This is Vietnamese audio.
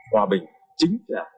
hòa bình chính là